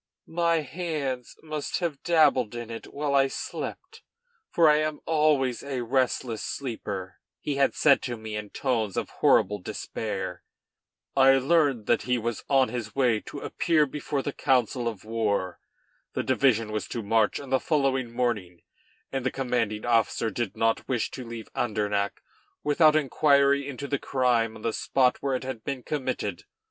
"My hands must have dabbled in it while I slept, for I am always a restless sleeper," he had said to me in tones of horrible despair. I learned that he was on his way to appear before the council of war. The division was to march on the following morning, and the commanding officer did not wish to leave Andernach without inquiry into the crime on the spot where it had been committed.